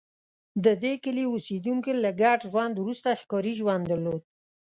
د دې کلي اوسېدونکي له ګډ ژوند وروسته ښکاري ژوند درلود